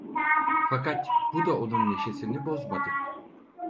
Fakat bu da onun neşesini bozmadı.